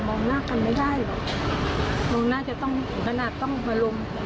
มองหน้ากันไม่ได้หรอกมองหน้าจะต้องอยู่กันอ่ะต้องมาลุม